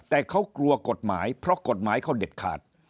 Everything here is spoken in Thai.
แต่เขากลัวกฎหมายเพราะกฎหมายเขาเด็ดขาด